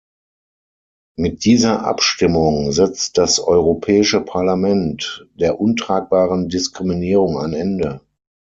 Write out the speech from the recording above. Mit dieser Abstimmung setzt das Europäische Parlament der untragbaren Diskriminierung ein Ende.